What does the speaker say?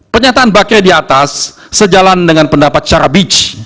pernyataan bake di atas sejalan dengan pendapat secara beach